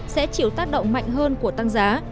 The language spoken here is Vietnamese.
sẽ chịu tác động mạnh hơn của tăng giá